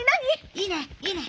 いいねいいね！